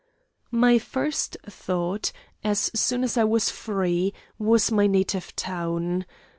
"My first thought, as soon as I was free, was my native town.